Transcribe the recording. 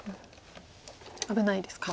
危ないですか。